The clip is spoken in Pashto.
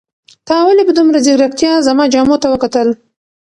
تا ولې په دومره ځیرکتیا زما جامو ته وکتل؟